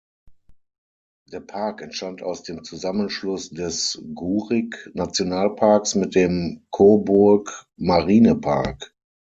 Der Park entstand aus dem Zusammenschluss des Gurig-Nationalparks mit dem Cobourg-Marine-Park.